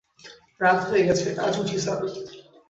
রাত হয়ে গেছে, আজ উঠি স্যার!